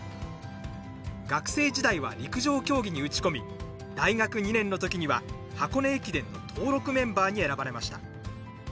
学生時代は陸上競技に打ち込み大学２年の時には箱根駅伝の登録メンバーに選ばれました。